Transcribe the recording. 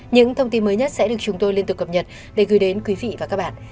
những thông tin mới nhất sẽ được chúng tôi liên tục cập nhật để gửi đến quý vị và các bạn